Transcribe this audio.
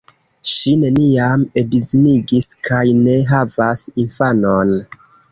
Ŝi neniam edzinigis kaj ne havas infanon.